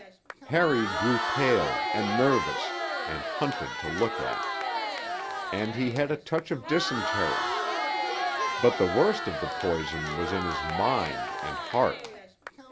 Harry grew pale, and nervous, and hunted to look at; and he had a touch of dysentery. But the worst of the poison was in his mind and heart.